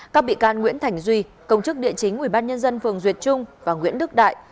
các bị can nguyễn thành duy công chức địa chính ủy ban nhân dân phường duyệt trung và nguyễn đức đại